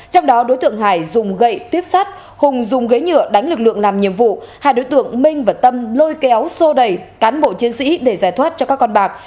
trong đó đối tượng hải dùng gậy tuyếp sắt hùng dùng ghế nhựa đánh lực lượng làm nhiệm vụ hai đối tượng minh và tâm lôi kéo xô đẩy cán bộ chiến sĩ để giải thoát cho các con bạc